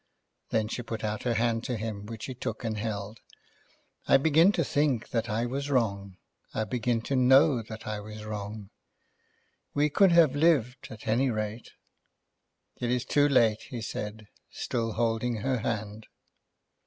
Then she put out her hand to him, which he took and held. "I begin to think that I was wrong. I begin to know that I was wrong. We could have lived at any rate." "It is too late," he said, still holding her hand.